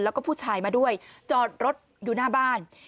แล้วก็ผู้ชายมาด้วยจอดรถอยู่หน้าบ้าน